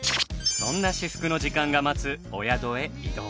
そんな至福の時間が待つお宿へ移動。